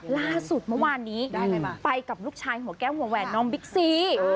ล่าสุดเมื่อวานนี้ไปกับลูกชายหัวแก้วหัวแหวนน้องบิ๊กซี